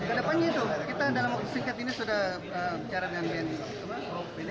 ke depannya itu kita dalam waktu singkat ini sudah bicara dengan bnn ya